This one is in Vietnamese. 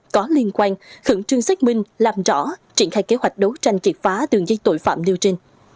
có liên quan khẩn trương xác minh làm rõ triển khai kế hoạch đấu tranh triệt phá đường dây tội phạm nêu trên